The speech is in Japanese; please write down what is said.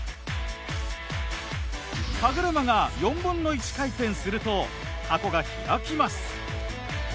歯車が４分の１回転すると箱が開きます。